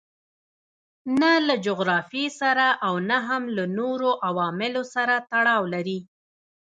نه له جغرافیې سره او نه هم له نورو عواملو سره تړاو لري.